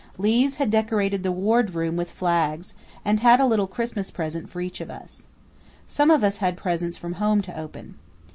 Lees had decorated the wardroom with flags and had a little Christmas present for each of us. Some of us had presents from home to open.